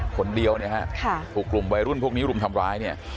คนเดียวเนี่ยฮะถูกกลุ่มวัยรุ่นพวกนี้รุมทำร้ายเนี่ย